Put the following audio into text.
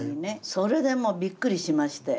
それでもうびっくりしまして。